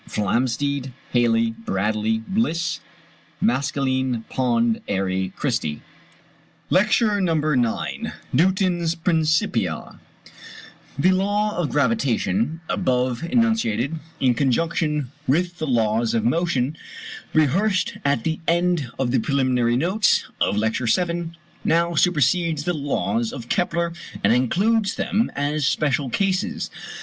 _ Flamsteed, Halley, Bradley, Bliss, Maskelyne, Pond, Airy, Christie. LECTURE IX NEWTON'S "PRINCIPIA" The law of gravitation, above enunciated, in conjunction with the laws of motion rehearsed at the end of the preliminary notes of Lecture VII., now supersedes the laws of Kepler and includes them as special cases.